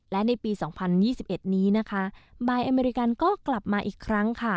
และในปี๒๐๒๑นี้นะคะบายอเมริกันก็กลับมาอีกครั้งค่ะ